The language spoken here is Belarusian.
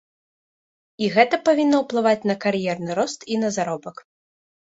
І гэта павінна ўплываць на кар'ерны рост і на заробак.